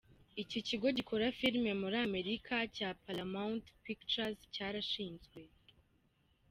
Ikigo gikora filime muri Amerika cya Paramount Pictures cyarashinzwe.